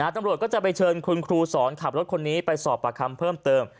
ตำรวจก็จะไปเชิญคุณครูสอนขับรถคนนี้ไปสอบประคำเพิ่มเติม